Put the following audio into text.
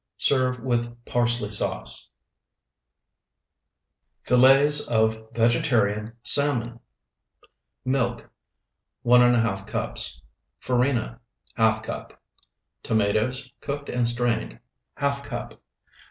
Serve with parsley sauce. FILLETS OF VEGETARIAN SALMON Milk. 1½ cups. Farina, ½ cup. Tomatoes, cooked and strained, ½ cup.